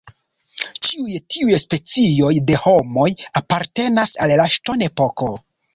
Ĉiuj tiuj specioj de homoj apartenas al la ŝtonepoko.